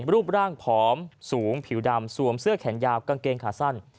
รูปร่างผอมสูงผิวดำสวมเสื้อแขนยาวกางเกงขาสั้น